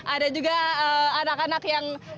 ada juga anak anak yang